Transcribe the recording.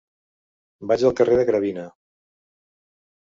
Vaig al carrer de Gravina.